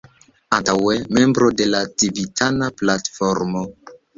Antaŭe membro de la Civitana Platformo.